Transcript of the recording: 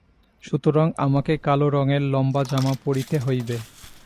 সুতরাং আমাকে কালো রঙের লম্বা জামা পড়িতে হইবে।